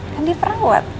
kan dia perawat